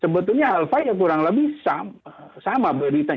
sebetulnya alfa ya kurang lebih sama beritanya